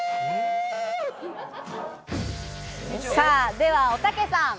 では、おたけさん。